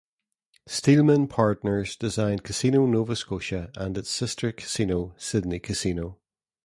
Steelman Partners designed Casino Nova Scotia and its sister casino Sydney Casino.